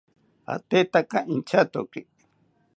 Atetaka intyatoki